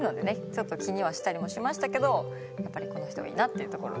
ちょっと気にはしたりもしましたけどやっぱりこの人がいいなっていうところで。